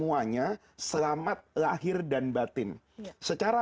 dan juga bagaimana alfitrah itu dapat berjaya